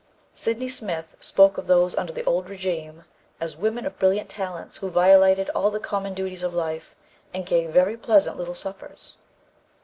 Sydney Smith spoke of those under the old régime as "women of brilliant talents who violated all the common duties of life and gave very pleasant little suppers."